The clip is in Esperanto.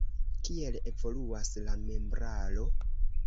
Kiel evoluas la membraro?